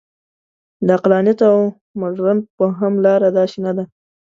د عقلانیت او مډرن فهم لاره داسې نه ده.